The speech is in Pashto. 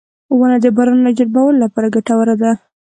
• ونه د باران راجلبولو لپاره ګټوره ده.